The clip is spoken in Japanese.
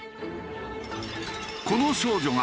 この少女が